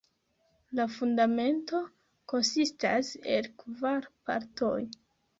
La Fundamento konsistas el kvar partoj.